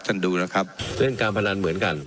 ดูนะครับเล่นการพนันเหมือนกัน